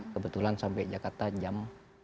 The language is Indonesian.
kebetulan sampai jakarta jam